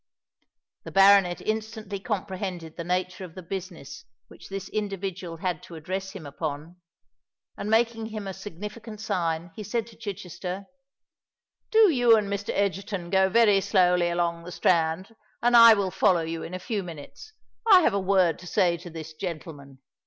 The baronet instantly comprehended the nature of the business which this individual had to address him upon; and making him a significant sign, he said to Chichester, "Do you and Mr. Egerton go very slowly along the Strand; and I will follow you in a few minutes. I have a word to say to this gentleman."